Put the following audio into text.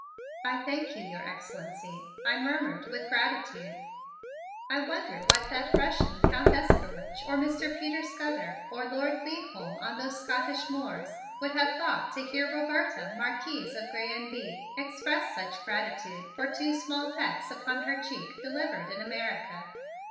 "I thank you, your Excellency," I murmured with gratitude. I wonder what that Russian Count Estzkerwitch or Mr. Peter Scudder or Lord Leigholm on those Scotch moors, would have thought to hear Roberta, Marquise of Grez and Bye, express such gratitude for two small pecks upon her cheek delivered in America.